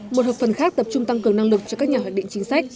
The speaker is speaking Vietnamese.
một hợp phần khác tập trung tăng cường năng lực cho các nhà hoạch định chính sách